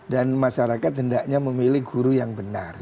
dan masyarakat hendaknya memilih guru yang benar